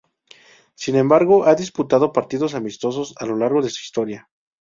Sin embargo ha disputado partidos amistosos a lo largo de su historia.